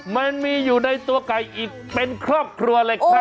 มันมีอยู่ในตัวไก่อีกเป็นครอบครัวเลยครับ